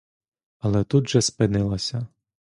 Але тут же спинилася.